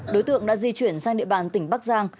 đối tượng đã di chuyển sang địa bàn tỉnh bắc giang